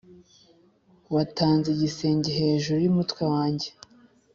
watanze igisenge hejuru yumutwe wanjye,